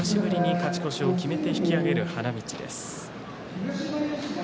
久しぶりに勝ち越しを決めて引き揚げる花道です。